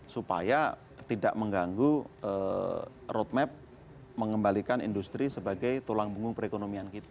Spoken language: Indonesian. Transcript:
supaya tidak mengganggu roadmap mengembalikan industri sebagai tulang punggung perekonomian kita